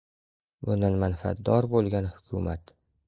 Bundan manfaatdor bo‘lgan hukumat.